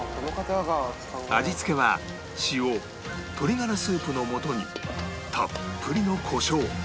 味付けは塩鶏がらスープの素にたっぷりの胡椒